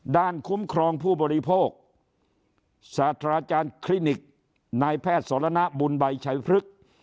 คุ้มครองผู้บริโภคศาสตราจารย์คลินิกนายแพทย์สรณบุญใบชัยพฤกษ์